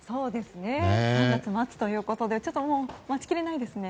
３月末ということで待ちきれないですね。